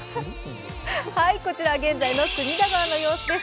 こちらは現在の隅田川の様子です。